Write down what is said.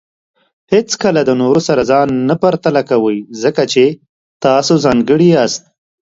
هیڅکله د نورو سره ځان نه پرتله کوئ، ځکه چې تاسو ځانګړي یاست.